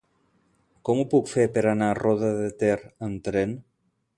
Com ho puc fer per anar a Roda de Ter amb tren?